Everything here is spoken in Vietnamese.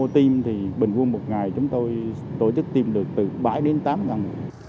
tiêm thì bình quân một ngày chúng tôi tổ chức tiêm được từ bảy đến tám lần